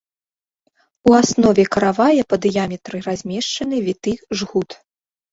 У аснове каравая па дыяметры размешчаны віты жгут.